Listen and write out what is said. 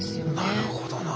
なるほどな。